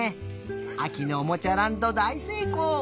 あきのおもちゃランドだいせいこう！